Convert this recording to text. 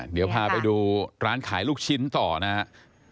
เดี๋ยวพาไปดูร้านขายลูกชิ้นต่อนะครับ